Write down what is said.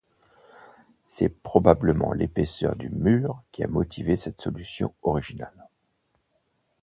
C'est probablement l'épaisseur du mur qui a motivé cette solution originale.